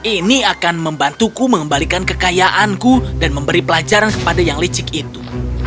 ini akan membantuku mengembalikan kekayaanku dan memberi pelajaran kepada yang licik itu